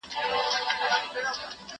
ما پرون د سبا لپاره د ژبي تمرين وکړ!؟